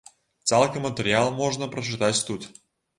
Цалкам матэрыял можна прачытаць тут.